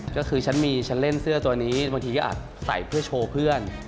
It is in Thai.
ก็คือฉันมีฉันเล่นเสื้อตัวนี้บางทีก็อาจใส่เพื่อโชว์เพื่อน